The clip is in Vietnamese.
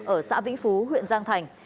ở xã vĩnh phú huyện giang thành